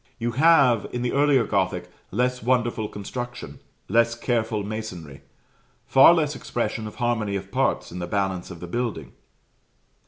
You have, in the earlier Gothic, less wonderful construction, less careful masonry, far less expression of harmony of parts in the balance of the building.